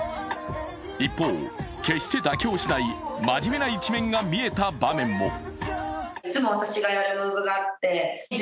一方、決して妥協しない真面目な一面が見えた場面も。